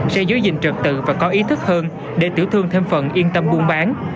sẽ giới dình trật tự và có ý thức hơn để tiểu thương thêm phần yên tâm buôn bán